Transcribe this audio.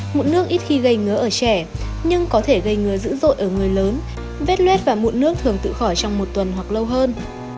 mụn nước ít khi gây ngứa ở trẻ nhưng có thể gây ngứa dữ dội ở người lớn vết luet và mụn nước thường tự khỏi trong một tuần hoặc lâu hơn